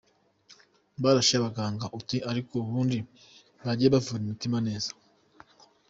– Barashe abaganga uti “ariko ubundi bagiye bavura imitima neza”